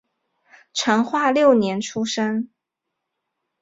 成化六年出生。